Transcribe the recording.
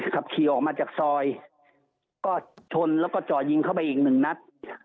ขับขี่ออกมาจากซอยก็ชนแล้วก็จ่อยิงเข้าไปอีกหนึ่งนัด